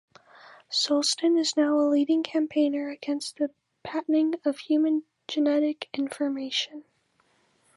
Sulston is now a leading campaigner against the patenting of human genetic information.